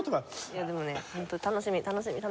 いやでもねホント楽しみ楽しみ楽しみ。